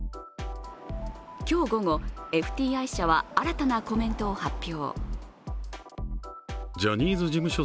今日午後、ＦＴＩ社は新たなコメントを発表。